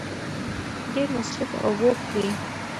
ډېر مصروف او بوخت وی